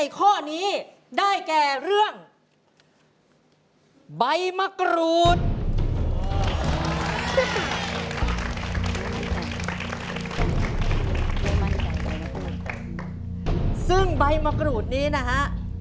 ซึ่งใบมะกรูดนี้นะฮะ